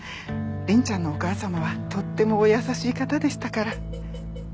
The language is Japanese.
凛ちゃんのお母様はとってもお優しい方でしたから。